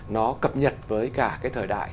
nó cập nhật với cả cái thời đại